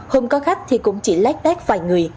hôm có khách thì cũng chỉ lát đát vài người